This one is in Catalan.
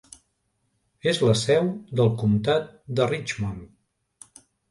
És la seu del comtat de Richmond.